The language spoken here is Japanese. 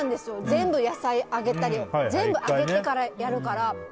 全部、野菜を揚げたり全部揚げてからやるから。